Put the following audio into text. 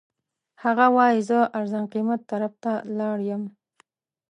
هغه وایي زه ارزان قیمت طرف ته لاړ یم.